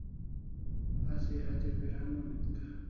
Asi hatya piran onik